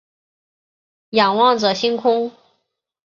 仰望着星空